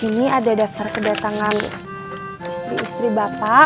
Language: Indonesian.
ini ada daftar kedatangan istri istri bapak